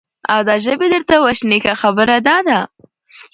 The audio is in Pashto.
او دا ژبې درته وشني، ښه خبره دا ده،